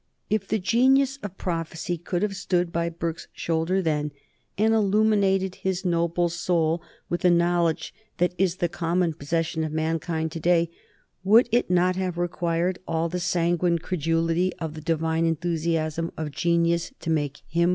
If the genius of prophecy could have stood by Burke's shoulder then, and illuminated his noble soul with the knowledge that is the common possession of mankind to day, would it not have required all the sanguine credulity, all the divine enthusiasm of genius to make him believe it?